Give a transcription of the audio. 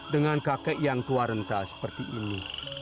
dengan kakek yang keluar rentas seperti ini